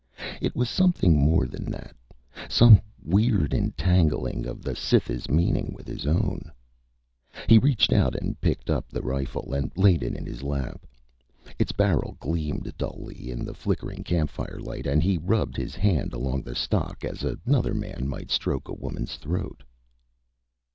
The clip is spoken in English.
It was something more than that, some weird entangling of the Cytha's meaning with his own. He reached out and picked up the rifle and laid it in his lap. Its barrel gleamed dully in the flickering campfire light and he rubbed his hand along the stock as another man might stroke a woman's throat.